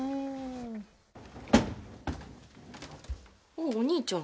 「おっお兄ちゃん」